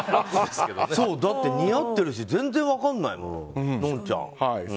だって似合ってるし全然分かんない、のんちゃん。